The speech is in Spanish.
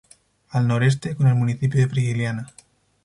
Al noreste, con el municipio de Frigiliana.